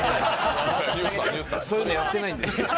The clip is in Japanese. そういうのやってないんで。